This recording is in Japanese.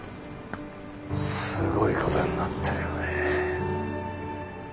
すごいことになってるよねえ。